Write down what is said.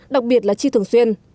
đặc biệt là chi thường xuyên